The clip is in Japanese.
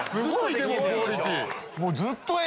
でもクオリティー。